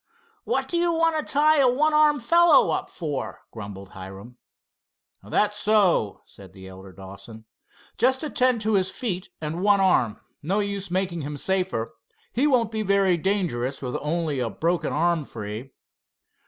"What do you want to tie a one armed fellow up for?" grumbled Hiram. "That's so," said the elder Dawson. "Just attend to his feet and one arm. No use making him safer. He won't be very dangerous with only a broken arm free."